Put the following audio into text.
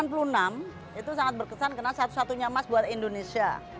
tahun seribu sembilan ratus delapan puluh enam itu sangat berkesan karena satu satunya emas buat indonesia